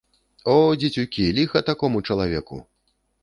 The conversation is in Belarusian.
О, дзецюкі, ліха такому чалавеку!